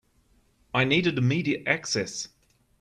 I needed immediate access.